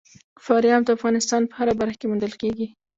فاریاب د افغانستان په هره برخه کې موندل کېږي.